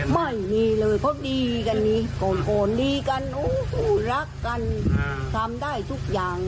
แค่เวสเย็นที่เลยพาไปทง